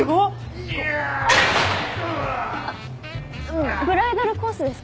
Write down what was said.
あっブライダルコースですか？